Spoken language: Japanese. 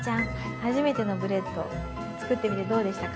初めてのブレッド作ってみてどうでしたか？